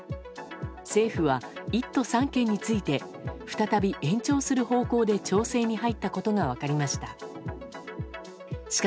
政府は１都３県について再び延長する方向で調整に入ったことが分かりました。